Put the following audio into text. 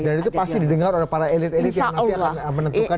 dan itu pasti didengar oleh para elit elit yang nanti akan menentukan